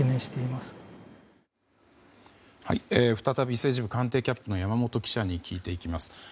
再び政治部官邸キャップの山本記者に聞いていきます。